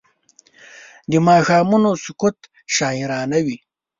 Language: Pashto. د ماښامونو سکوت شاعرانه وي